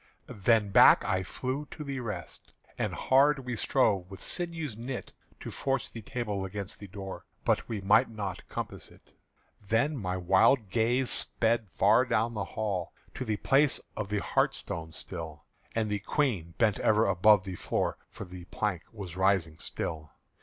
Then back I flew to the rest; and hard We strove with sinews knit To force the table against the door But we might not compass it. Then my wild gaze sped far down the hall To the place of the hearthstone sill; And the Queen bent ever above the floor, For the plank was rising still.